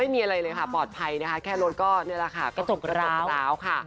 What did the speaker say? ไม่มีอะไรเลยค่ะปลอดภัยนะคะแค่รถกระจกร้าว